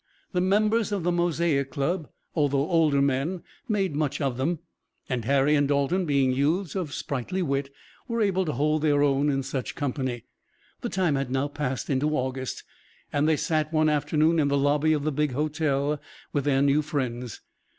The members of the Mosaic Club, although older men, made much of them, and Harry and Dalton, being youths of sprighty wit, were able to hold their own in such company. The time had now passed into August, and they sat one afternoon in the lobby of the big hotel with their new friends.